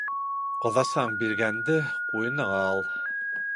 Ҡоҙасаң биргәнде ҡуйыныңа ал